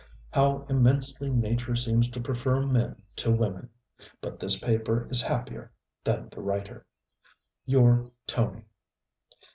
How immensely nature seems to prefer men to women! But this paper is happier than the writer. 'Your TONY.'